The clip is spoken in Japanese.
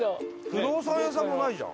不動産屋さんもないじゃん。